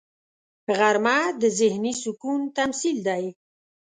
غرمه د ذهني سکون تمثیل دی